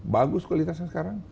bagus kualitasnya sekarang